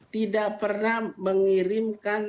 tidak pernah mengirimkan